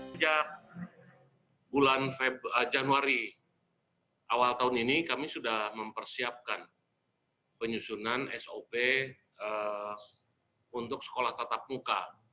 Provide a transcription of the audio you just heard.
sejak bulan januari awal tahun ini kami sudah mempersiapkan penyusunan sop untuk sekolah tatap muka